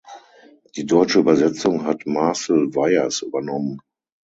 Die deutsche Übersetzung hat Marcel Weyers übernommen.